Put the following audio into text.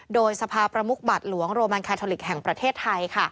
โดยสภาประมุกบัตรหลวงโรมันแคทอลิกแห่งประเทศไทย